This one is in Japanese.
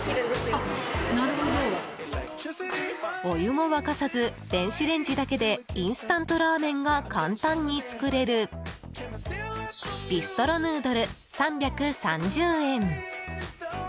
お湯も沸かさず電子レンジだけでインスタントラーメンが簡単に作れるビストロヌードル、３３０円。